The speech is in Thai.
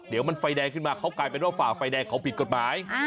เดี๋ยวมันไฟแดงขึ้นมาเขากลายเป็นว่าฝ่าไฟแดงเขาผิดกฎหมาย